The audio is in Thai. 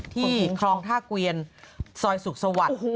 ที่คลองท่าเกวียนซอยศุกร์สวัสดิ์๗๖